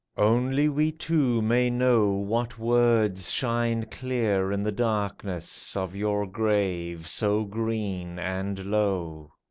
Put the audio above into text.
Only we two may know What words shine clear in the darkness^ Of your grave so green and low.